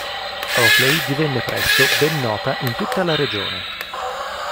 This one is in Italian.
Oakley divenne presto ben nota in tutta la regione.